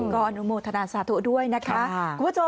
ก็อนุโมทนาศาสตร์ตัวด้วยนะคะ